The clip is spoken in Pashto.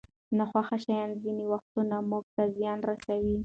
ناخوښه شیان ځینې وختونه موږ ته زیان رسوي.